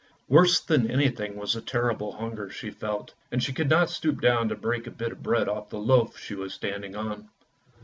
Worse than anything was the terrible hunger she felt, and she could not stoop down to break a bit of bread off the loaf she was standing on.